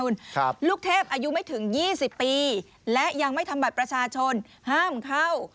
ครับลูกเทพอายุไม่ถึงยี่สิบปีและยังไม่ทำบัตรประชาชนห้ามเข้า